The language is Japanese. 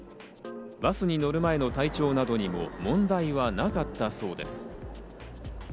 バスに乗る前の体調などにも問題はなかったそうです。